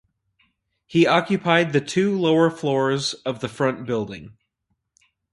He occupied the two lower floors of the front building.